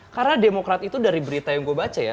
karena demokrat itu dari berita yang gue baca ya